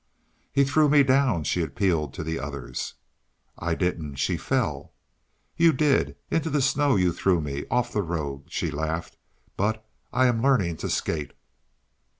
"He threw me down," she appealed to the others. "I didn't she fell." "You did; into the snow you threw me off the road." She laughed. "But I am learning to skate."